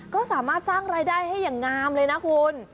ก็สามารถสร้างรายได้ให้อย่างงามเลยนะคุณ